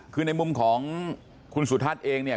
คือในมุมของคุณสุทัศน์เองเนี่ย